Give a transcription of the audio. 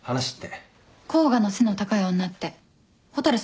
甲賀の背の高い女って蛍さんだよね？